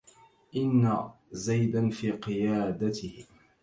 إن زيدا في قيادته